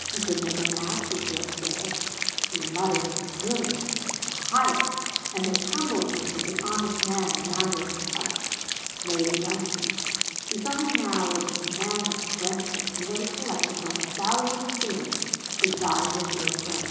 She could make a match, as you have said...' he muttered of 'brilliant,' and 'the highest'; and his humbleness of the honest man enamoured touched Lady Dunstane. She saw him now as the man of strength that she would have selected from a thousand suitors to guide her dear friend.